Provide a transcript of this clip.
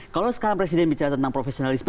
kalau sekarang presiden bicara tentang profesionalisme